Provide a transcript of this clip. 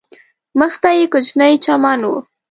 مخ ته یې کوچنی چمن و.